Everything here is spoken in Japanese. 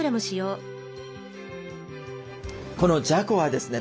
このじゃこはですね